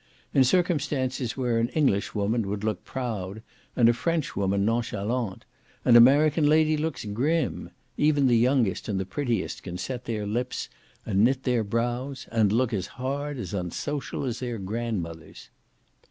In circumstances where an English woman would look proud, and a French woman nonchalante, an American lady looks grim; even the youngest and the prettiest can set their lips, and knit their brows, and look as hard and unsocial as their grandmothers.